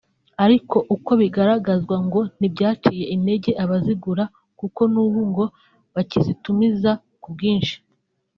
ariko uko bigaragazwa ngo ntibyaciye intege abazigura kuko n’ubu ngo bakizitumiza ku bwinshi